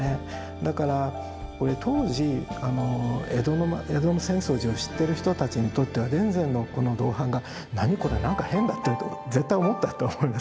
だからこれ当時あの江戸の浅草寺を知ってる人たちにとっては田善のこの銅版画何これ何か変だって絶対に思ったと思います。